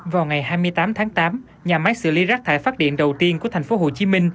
vào ngày hai mươi tám tháng tám nhà máy xử lý rác thải phát điện đầu tiên của tp hcm